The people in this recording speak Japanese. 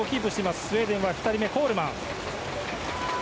スウェーデンは２人目はコールマン。